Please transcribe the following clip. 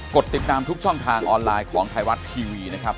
ดติดตามทุกช่องทางออนไลน์ของไทยรัฐทีวีนะครับ